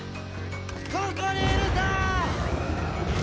ここにいるぞ！